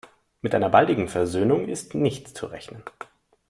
Mit einer baldigen Versöhnung ist nicht zu rechnen.